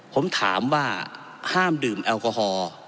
ผมถามว่าห้ามดื่มแอลกอฮอล์